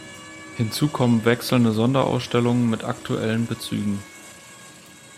Hinzu kommen wechselnde Sonderausstellungen mit aktuellen Bezügen.